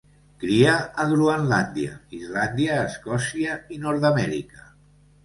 Cria a Groenlàndia, Islàndia, Escòcia i Nord-amèrica.